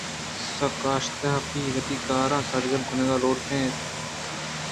آسک اشتاپی وتی کاراں سرجم کنگ لوٹگ ءَ اِت اَنت